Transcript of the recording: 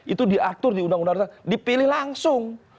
itu diatur di undang undang dasar dipilih langsung